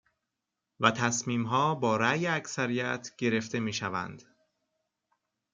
و تصمیمها با رأی اکثریت گرفته میشوند.